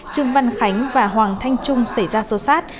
trương văn khánh và hoàng thanh trung xảy ra sâu sát